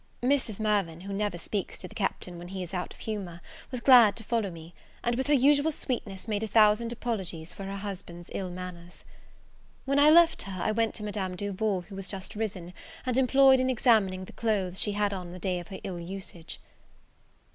Mrs. Mirvan, who never speaks to the Captain when he is out of humour, was glad to follow me, and with her usual sweetness made a thousand apologies for her husband's ill manners. When I left her, I went to Madame Duval, who was just risen, and employed in examining the clothes she had on the day of her ill usage.